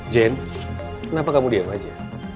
jen kenapa kamu diam aja